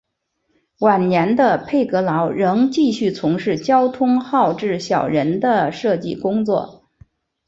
晚年的佩格劳仍继续从事交通号志小人的设计工作。